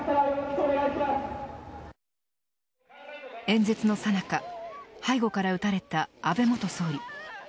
演説のさなか背後から撃たれた安倍元総理。